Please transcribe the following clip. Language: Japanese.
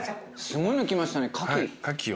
すごいの来ましたねカキ。